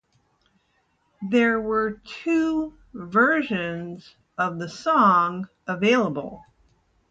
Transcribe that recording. There were two versions of the song available.